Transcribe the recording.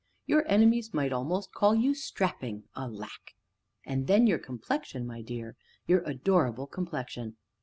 your enemies might almost call you strapping alack! And then your complexion, my dear, your adorable complexion!"